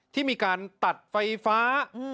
ที่มีการตัดไฟฟ้า